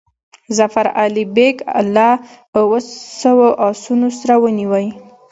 ظفر علي بیګ له اوو سوو آسونو سره ونیوی.